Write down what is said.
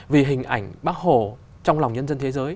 vì hình ảnh bác hồ trong lòng nhân dân thế giới